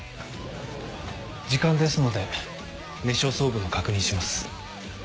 時間ですので熱傷創部の確認します。